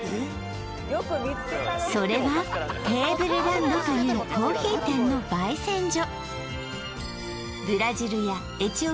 それがテーブルランドという珈琲店の焙煎所